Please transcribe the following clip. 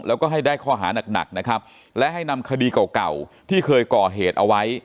แล้วก็ให้ได้ข้อหานักหนักนะครับและให้นำคดีเก่าเก่าที่เคยก่อเหตุเอาไว้